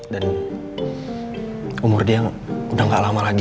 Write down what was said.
dan umur dia udah gak lama lagi